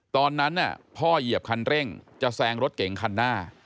ตอนนั้นพ่อเหยียบคันเร่งจะแซงรถเก๋งคันหน้า